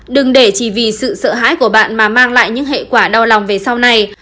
đừng để chỉ vì sự sợ hãi của bạn mà mang lại những hệ quả đau lòng về sau này